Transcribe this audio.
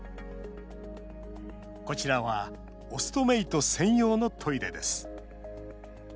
こちらはオストメイト専用のトイレです。